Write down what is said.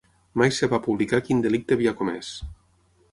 Mai es va publicar quin delicte havia comès.